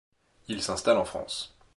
Il s’installe en France.